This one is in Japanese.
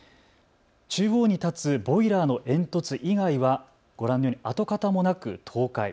中央に立つボイラーの煙突以外はご覧のように跡形もなく倒壊。